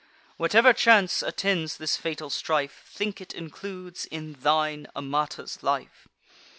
Whatever chance attends this fatal strife, Think it includes, in thine, Amata's life.